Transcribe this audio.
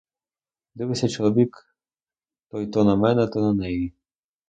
Дивиться чоловік той то на мене, то на неї.